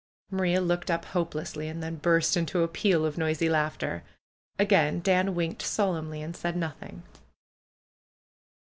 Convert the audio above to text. Maria looked up hopelessly, and then burst into a peal of noisy laughter. Again Dan winked solemnly, and said nothing.